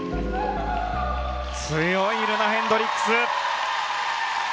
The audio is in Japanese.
強いルナ・ヘンドリックス。